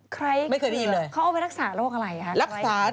ไขลเคลือเขาเอาไปรักษาโรคอะไร